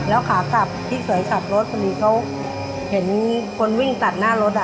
แล้วขากลับพี่เขยขับรถพอดีเขาเห็นคนวิ่งตัดหน้ารถอ่ะ